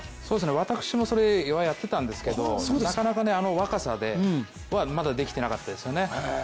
私もそれはやっていたんですけれども、なかなか若さではまだできていなかったですよね。